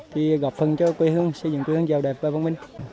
thì gọp phân cho quê hương xây dựng quê hương giàu đẹp và văn minh